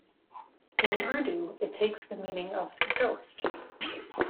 In "Urdu" it takes the meaning of "dost".